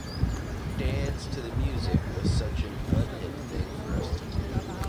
'Dance to the Music' was such an unhip thing for us to do.